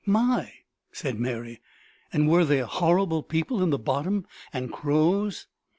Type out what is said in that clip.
"My!" said Mary; "and were there horrible people in the bottom, and crows?"